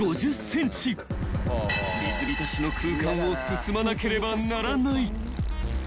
［水浸しの空間を進まなければならない］